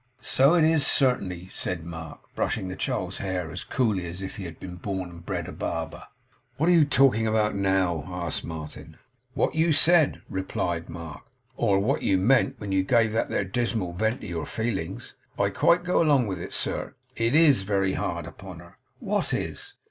'So it is, certainly,' said Mark, brushing the child's hair as coolly as if he had been born and bred a barber. 'What are you talking about, now?' asked Martin. 'What you said,' replied Mark; 'or what you meant, when you gave that there dismal vent to your feelings. I quite go along with it, sir. It IS very hard upon her.' 'What is?